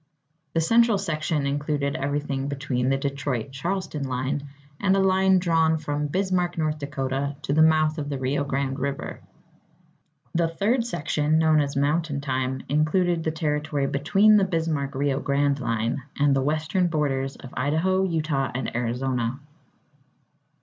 The Central Section included everything between the Detroit Charleston line, and a line drawn from Bismarck, North Dakota, to the mouth of the Rio Grande River. The Third Section, known as "Mountain Time," included the territory between the Bismarck Rio Grande line and the western borders of Idaho, Utah, and Arizona.